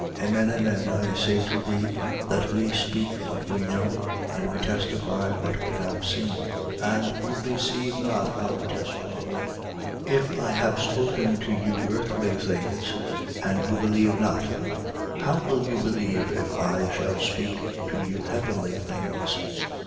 3:11. Amen, amen, I say to thee that we speak what we know and we testify what we have seen: and you receive not our testimony. 3:12. If I have spoken to you earthly things, and you believe not: how will you believe, if I shall speak to you heavenly things?